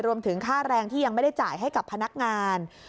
รวมถึงค่าแรงที่ยังไม่ได้จ่ายให้กับพนักงาน